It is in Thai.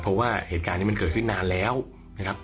เพราะว่าเหตุการณ์นี้มันเกิดขึ้นนานแล้วนะครับ